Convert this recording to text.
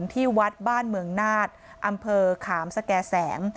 ที่วัดบ้านเมืองนาฏอำเภอขามสแก่แสง